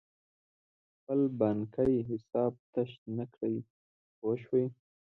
خپل بانکي حساب تش نه کړې پوه شوې!.